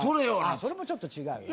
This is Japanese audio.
それもちょっと違うよね